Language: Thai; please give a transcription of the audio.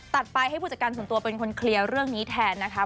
ไปให้ผู้จัดการส่วนตัวเป็นคนเคลียร์เรื่องนี้แทนนะคะ